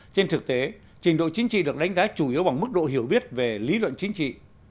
trên thực tế trình độ chính trị được đánh giá chủ yếu bằng mức độ hiểu biết về lý luận chính trị